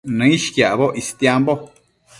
Nëishquiacboc istiambo